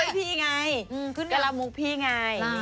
ช่วยพี่ไงกระละมุกพี่ไง